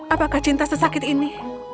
apakah cinta sesakit ini